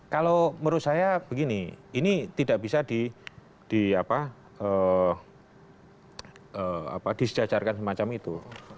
kalau menurut saya begini ini tidak bisa di apa di apa disejajarkan semacam itu